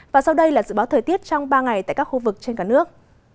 và sau đây là dự báo thời tiết trong ba ngày tại các khu vực trên cả nước